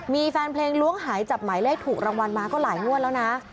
มีแฟนเพลงล้วงหายจับหมายเลขถูกรางวัลมาก็หลายงวดแล้วนะ